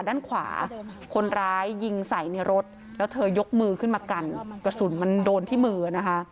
ด้านขวาคนร้ายยิงใส่ในรถแล้วเธอยกมือขึ้นมากันกระสุนมันโดนที่มือนะคะ